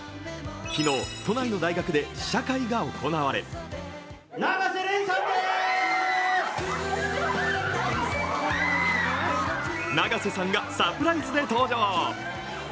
昨日、都内の大学で試写会が行われ永瀬さんがサプライズで登場。